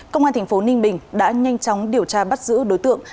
công an thành phố ninh bình đã nhanh chóng điều tra bắt giữ đối tượng